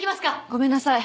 ごめんなさい。